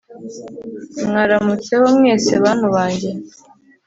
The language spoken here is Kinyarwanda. mwaramutseho mwese bantu bange